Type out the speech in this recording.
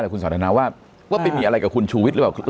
แหละคุณสวัสดีนะว่าว่าไปมีอะไรกับคุณชูวิตหรือเปล่า